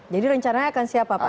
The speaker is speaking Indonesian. jadi rencananya akan siapa pak